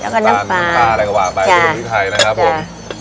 แล้วก็น้ำปลาน้ำปลาอะไรก็ว่าบางอย่างที่ที่ไทยนะครับผม